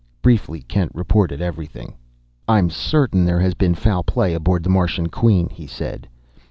Briefly Kent reported everything. "I'm certain there has been foul play aboard the Martian Queen," he said.